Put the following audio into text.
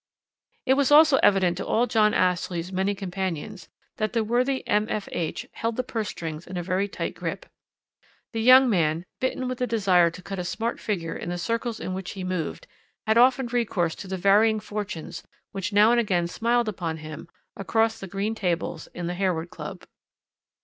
"It was also evident to all John Ashley's many companions that the worthy M.F.H. held the purse strings in a very tight grip. The young man, bitten with the desire to cut a smart figure in the circles in which he moved, had often recourse to the varying fortunes which now and again smiled upon him across the green tables in the Harewood Club.